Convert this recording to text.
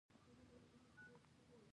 د والیبال ټیم څومره پیاوړی دی؟